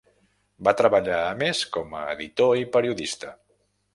Va treballar a més com a editor i periodista.